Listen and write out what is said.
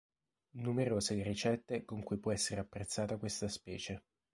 Numerose le ricette con cui può essere apprezzata questa specie.